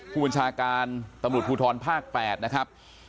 ผู้บัญชาการตำรวจภูทรภาค๘นะครับ